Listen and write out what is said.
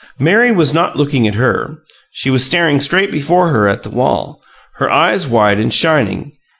Mary was not looking at her; she was staring straight before her at the wall, her eyes wide and shining.